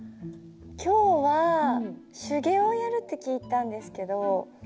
今日は手芸をやるって聞いたんですけど。